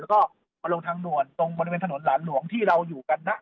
แล้วก็มาลงทางด่วนตรงบริเวณถนนหลานหลวงที่เราอยู่กันนะ